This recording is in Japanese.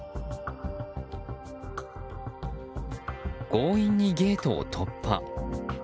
強引にゲートを突破。